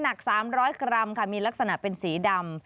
หนัก๓๐๐กรัมค่ะมีลักษณะเป็นสีดำ